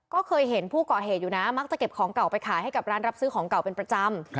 ก็เคยเห็นผู้ก่อเหตุอยู่นะมักจะเก็บของเก่าไปขายให้กับร้านรับซื้อของเก่าเป็นประจำ